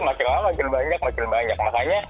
lagi makin lama makin banyak makin banyak